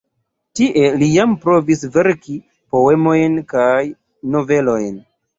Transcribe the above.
Tie li jam provis verki poemojn kaj novelojn.